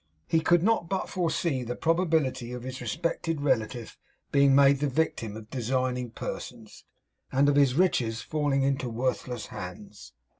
He could not but foresee the probability of his respected relative being made the victim of designing persons, and of his riches falling into worthless hands.